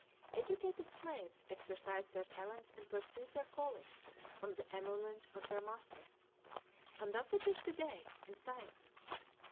Educated slaves exercised their talents and pursued their callings for the emolument of their masters; and thus it is to day in Siam.